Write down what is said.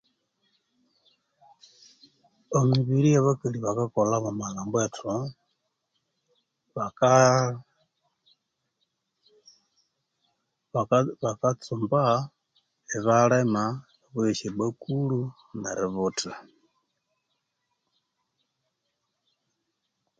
Emibiri yabakali bakakolha omumalhambwethu baka baka bakatsumba ibalima iboya eshyobakuli neributha